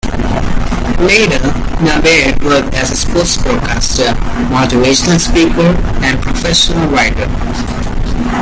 Later, Naber worked as a sports broadcaster, motivational speaker, and professional writer.